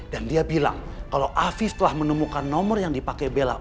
dan dia bilang kalau afif telah menemukan nomor yang dipakai bella